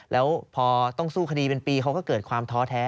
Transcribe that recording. แล้วพอต้องสู้คดีเป็นปีเขาก็เกิดความท้อแท้